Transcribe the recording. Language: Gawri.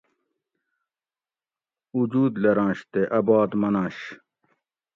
اوجود لرنش تے اۤ بات مننش